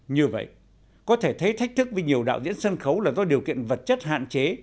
như vậy có thể thấy thách thức với nhiều đạo diễn sân khấu là do điều kiện vật chất hạn chế